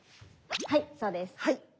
はいそうです。